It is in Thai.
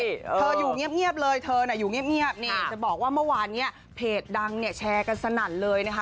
เธออยู่เงียบเลยเธอน่ะอยู่เงียบนี่จะบอกว่าเมื่อวานเนี่ยเพจดังเนี่ยแชร์กันสนั่นเลยนะคะ